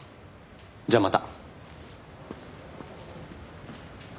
じゃあまた。